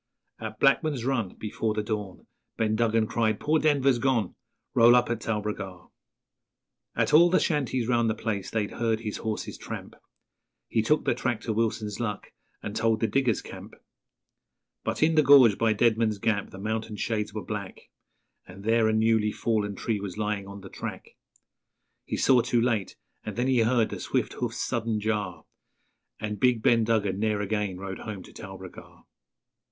At Blackman's Run Before the dawn, Ben Duggan cried, 'Poor Denver's gone! Roll up at Talbragar!' At all the shanties round the place they'd heard his horse's tramp, He took the track to Wilson's Luck, and told the diggers' camp; But in the gorge by Deadman's Gap the mountain shades were black, And there a newly fallen tree was lying on the track He saw too late, and then he heard the swift hoof's sudden jar, And big Ben Duggan ne'er again rode home to Talbragar.